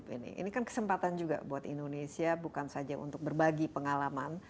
ini kan kesempatan juga buat indonesia bukan saja untuk berbagi pengalaman